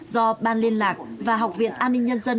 do ban liên lạc và học viện an ninh nhân dân